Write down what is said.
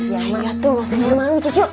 iya tuh masa malu cucu yuk